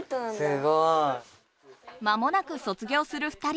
すごい。まもなく卒業する２人。